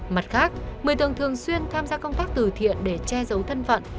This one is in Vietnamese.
mặt khác một mươi tường thường xuyên tham gia công tác từ thiện để che giấu thân phận